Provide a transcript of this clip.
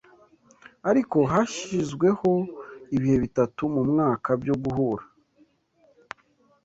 Ariko hashyizweho ibihe bitatu mu mwaka byo guhura